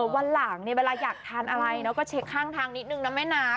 วันหลังเนี่ยเวลาอยากทานอะไรก็เช็คข้างทางนิดนึงนะแม่น้ำ